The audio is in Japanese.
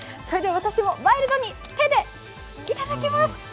それでは私もワイルドに手でいただきます。